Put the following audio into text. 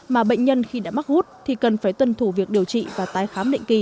mà bệnh nhân khi đã mắc hút thì cần phải tuân thủ việc điều trị và tái khám định kỳ